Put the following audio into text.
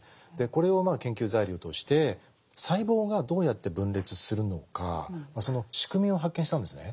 これを研究材料として細胞がどうやって分裂するのかその仕組みを発見したんですね。